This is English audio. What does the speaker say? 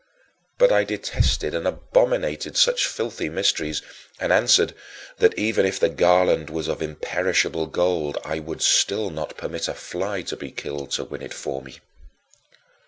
But I detested and abominated such filthy mysteries, and answered "that, even if the garland was of imperishable gold, I would still not permit a fly to be killed to win it for me."